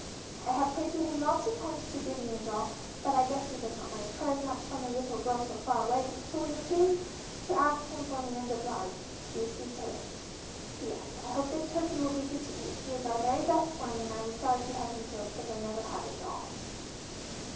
I have prayed to him lots of times to give me a dol but I gues he does not mind prayers much from a little girl so far away so will you pleas to ask him for me and oblige LUCY TILLAGE. P. S. I hope the turkey will be good to eat, he is our very best one and I was sorry to have him killed, but I never had a dol.